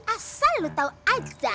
asal lu tau aja